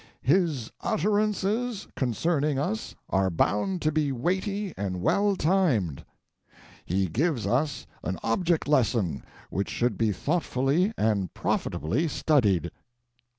"His utterances concerning us are bound to be weighty and well timed." "He gives us an object lesson which should be thoughtfully and profitably studied."